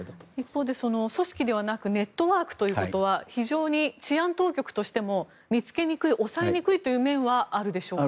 一方で組織ではなくネットワークということは非常に治安当局としても見つけにくい、抑えにくいという面はあるでしょうか。